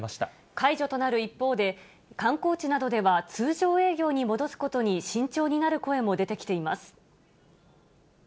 解除となる一方で、観光地などでは、通常営業に戻すことに慎重になる声も出てきています。